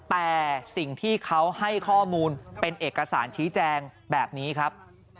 แต่สิ่งที่เขาให้ข้อมูลเป็นเอกสารชี้แจงแบบนี้ครับ